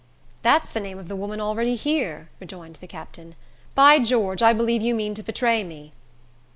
"That's the name of the woman already here," rejoined the captain. "By George! I believe you mean to betray me."